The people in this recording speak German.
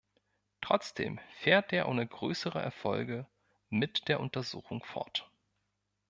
Trotzdem fährt er ohne größere Erfolge mit der Untersuchung fort.